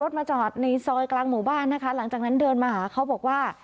มาจอดในซอยกลางหมู่บ้านนะคะหลังจากนั้นเดินมาหาเขาบอกว่า